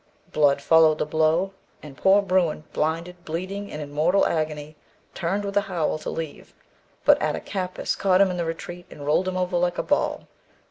Blood followed the blow, and poor bruin, blinded, bleeding, and in mortal agony, turned with a howl to leave, but Attakapas caught him in the retreat, and rolled him over like a ball.